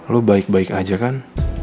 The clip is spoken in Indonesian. lo baik baik aja kan